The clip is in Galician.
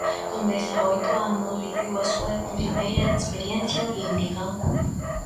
Con dezaoito anos viviu a súa primeira experiencia olímpica.